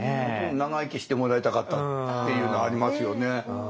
もっと長生きしてもらいたかったっていうのありますよね。